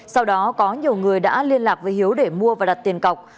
sau đó có nhiều người đã liên lạc với hiếu để mua và đặt tiền cọc